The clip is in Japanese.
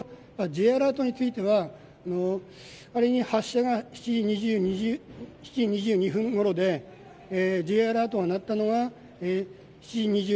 Ｊアラートについては仮に発射が７時２２分ごろでＪアラートが鳴ったのは７時２７分。